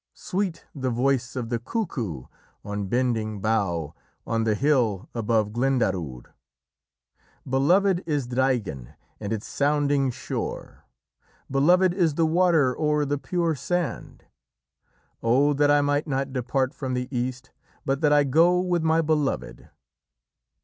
Sweet the voice of the cuckoo, on bending bough, On the hill above Glendaruadh. Beloved is Draighen and its sounding shore; Beloved is the water o'er the pure sand. O that I might not depart from the east, But that I go with my beloved!"